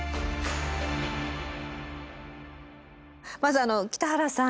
まずあの北原さん